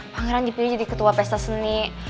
pangeran dipilih jadi ketua pesta seni